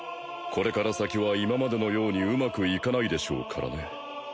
これから先は今までのようにうまくいかないでしょうからね